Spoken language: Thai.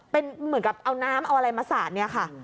เป็นเหมือนกับเอาน้ำเอาอะไรมาสาดเนี่ยค่ะ